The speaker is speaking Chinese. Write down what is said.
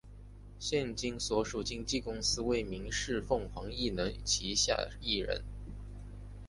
现今所属经纪公司为民视凤凰艺能旗下艺人。